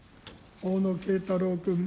大野敬太郎君。